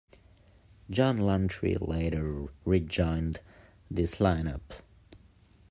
John Lantree later rejoined this line-up.